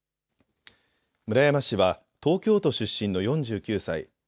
村山氏は東京都出身の４９歳。